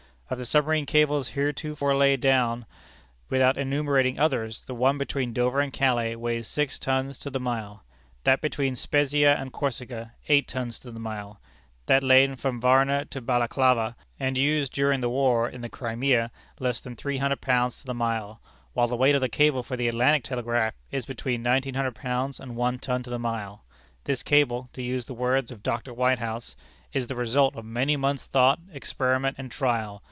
Of the submarine cables heretofore laid down, without enumerating others, the one between Dover and Calais weighs six tons to the mile; that between Spezzia and Corsica, eight tons to the mile; that laid from Varna to Balaklava, and used during the war in the Crimea, less than three hundred pounds to the mile; while the weight of the cable for the Atlantic Telegraph is between nineteen hundred pounds and one ton to the mile. This cable, to use the words of Dr. Whitehouse, 'is the result of many months thought, experiment, and trial.